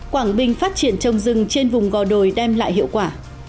quảng bình phát triển trồng rừng trên vùng gò đồi đem lại hiệu quả